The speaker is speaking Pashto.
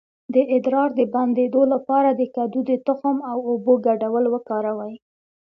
د ادرار د بندیدو لپاره د کدو د تخم او اوبو ګډول وکاروئ